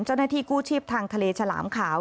เจ้าหน้าที่กู้ชีพทางทะเลฉลามขาว